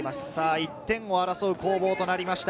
１点を争う攻防となりました。